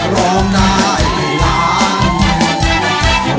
ร้องได้ให้ล้าน